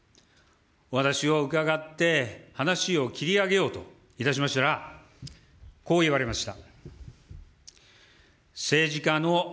お話を伺って話を切り上げようといたしましたら、こう言われました。